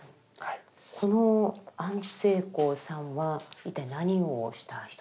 この安世高さんは一体何をした人なんですか？